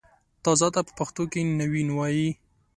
تازه ته په پښتو کښې نوين وايي